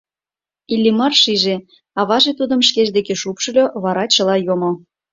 Иллимар шиже: аваже тудым шкеж деке шупшыльо, вара чыла йомо.